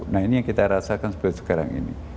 nah ini yang kita rasakan seperti sekarang ini